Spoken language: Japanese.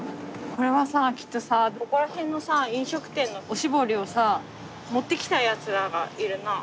これはさきっとさここら辺のさ飲食店のおしぼりをさ持ってきたやつらがいるな。